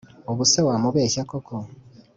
Ubuse wamubeshya koko